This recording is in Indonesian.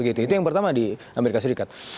itu yang pertama di amerika serikat